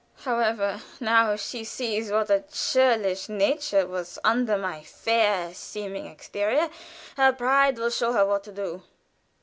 However, now she sees what a churl's nature was under my fair seeming exterior, her pride will show her what to do.